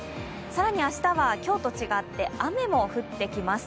更に明日は今日と違って雨も降ってきます。